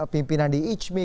pimpinan di ijmi